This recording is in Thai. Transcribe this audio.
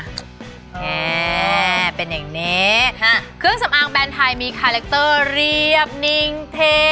แม่เป็นอย่างนี้เครื่องสำอางแบรนด์ไทยมีคาแรคเตอร์เรียบนิ่งเท